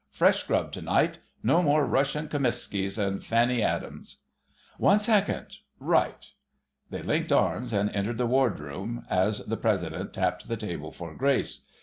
Fresh grub to night: no more 'Russian Kromeskis' and 'Fanny Adams'!" "One second.... Right!" They linked arms and entered the Wardroom as the President tapped the table for grace.